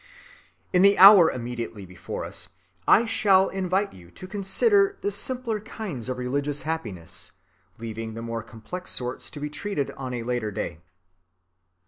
In the hour immediately before us, I shall invite you to consider the simpler kinds of religious happiness, leaving the more complex sorts to be treated on a later day.